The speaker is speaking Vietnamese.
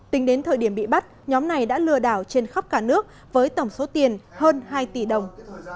tính đến thời điểm bị bắt nhóm này đã lừa đảo trên khắp cả nước với tổng số tiền hơn hai tỷ đồng